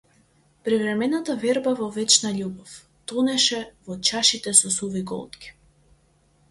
Привремената верба во вечна љубов, тонеше во чашите со суви голтки.